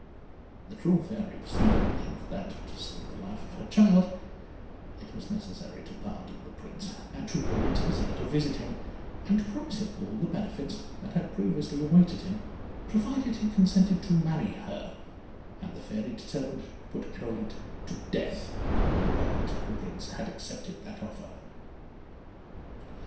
The cruel Fairy perceived at length that, to save the life of her child, it was necessary to pardon the Prince, to permit Azire to visit him, and to promise him all the benefits that had previously awaited him, provided he consented to marry her, and the Fairy determined to put Irolite to death, the moment the Prince had accepted that offer.